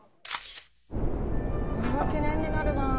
これは記念になるなあ。